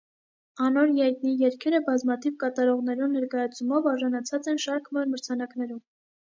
Անոր յայտնի երգերը բազմաթիւ կատարողներու ներկայացումով արժանացած են շարք մը մրցանակներու։